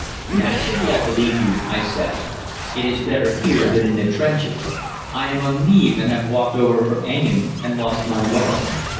"Naturally, I believe you," I said; "it is better here than in the trenches. I am on leave and have walked over from Engen and lost my way.